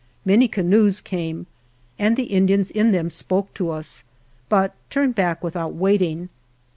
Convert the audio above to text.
Many canoes came and the Indians in them spoke to us, but turned back without waiting.